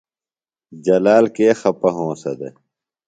جلال کے خپہ ہونسہ دےۡ؟